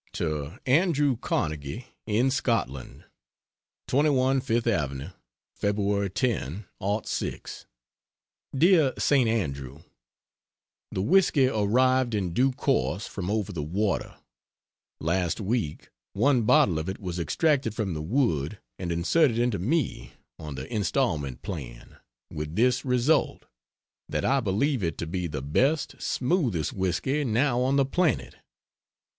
To Andrew Carnegie, in Scotland: 21 FIFTH AVE. Feb. 10, '06. DEAR ST. ANDREW, The whisky arrived in due course from over the water; last week one bottle of it was extracted from the wood and inserted into me, on the instalment plan, with this result: that I believe it to be the best, smoothest whisky now on the planet.